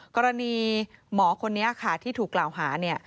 กรณีหมอคนนี้ค่ะที่ถูกกล่าวหาเนี่ย